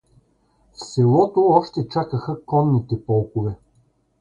В селото още чакаха конните полкове.